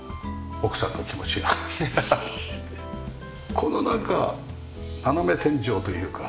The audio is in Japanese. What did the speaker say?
このなんか斜め天井というか。